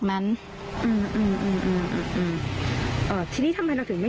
ความปลอดภัยของนายอภิรักษ์และครอบครัวด้วยซ้ำ